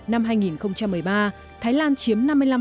năm hai nghìn một mươi ba thái lan chiếm năm mươi năm